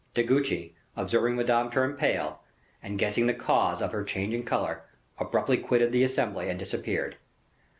De Guiche, observing Madame turn pale, and guessing the cause of her change of color, abruptly quitted the assembly and disappeared.